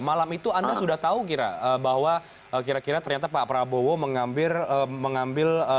malam itu anda sudah tahu kira bahwa kira kira ternyata pak prabowo mengambil